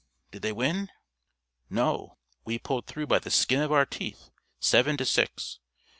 Did they win?" "No; we pulled through by the skin of our teeth seven to six.